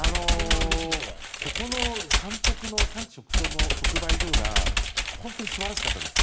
ここの産地直送の直売所が本当に素晴らしかったです。